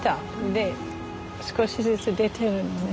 で少しずつ出てるのね。